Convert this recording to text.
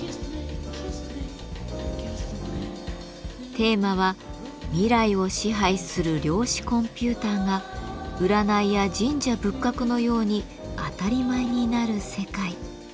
テーマは「未来を支配する量子コンピューターが占いや神社仏閣のように当たり前になる世界」。